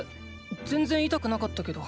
全然痛くなかったけど。